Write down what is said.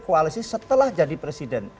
koalisi setelah jadi presiden